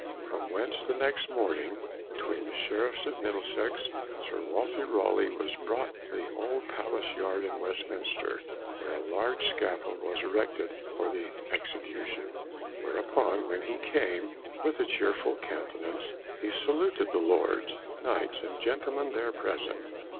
From whence, the next morning, between the Sheriffs of Middlesex, Sir Walter Raleigh was brought to the old Palace Yard in Westminster, where a large scaffold was erected for the execution. Whereupon, when he came, with a chearful countenance, he saluted the Lords, Knights, and gentlemen there present.